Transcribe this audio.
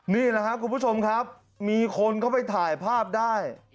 นี่แหละครับคุณผู้ชมครับมีคนเข้าไปถ่ายภาพได้